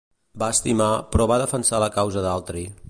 Va estimar, però va defensar la causa d'altri.